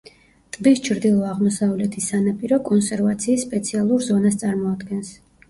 ტბის ჩრდილო-აღმოსავლეთი სანაპირო კონსერვაციის სპეციალურ ზონას წარმოადგენს.